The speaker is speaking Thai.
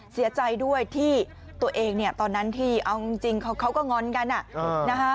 เสียใจด้วยที่ตัวเองเนี่ยตอนนั้นที่เอาจริงเขาก็งอนกันนะฮะ